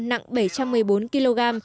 nặng bảy trăm một mươi bốn kg